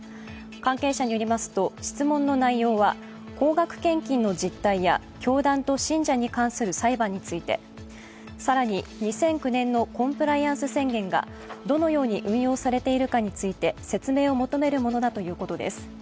関係者によりますと質問の内容は高額献金の実態や教団と信者に関する裁判について、更に２００９年のコンプライアンス宣言がどのように運用されているかについて説明を求めるものだということです。